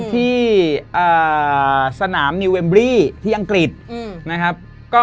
ที่สนามนิวเวมบรี่ที่อังกฤษนะครับ